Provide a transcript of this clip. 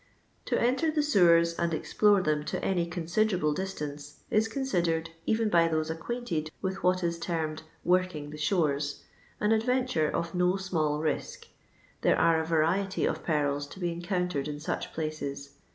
'* To enter the sewers and explore them to nny considerable distance is considered, even by those acquainted with what is termed "working the shores," an adventure of no small risk. There are a variety of perils to be encountered in such places.